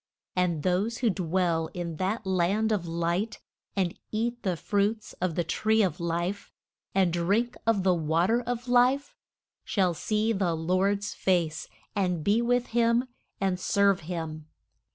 And those who dwell in that land of light, and eat the fruits of the tree of life, and drink of the wa ter of life, shall see the Lord's face and be with him and serve him.